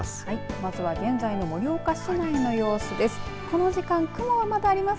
まずは現在の盛岡市内の様子です。